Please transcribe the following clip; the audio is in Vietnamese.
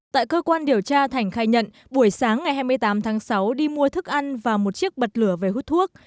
tại cơ quan điều tra thành khai nhận buổi sáng ngày hai mươi tám tháng sáu đi mua thức ăn và một chiếc bật lửa về hút thuốc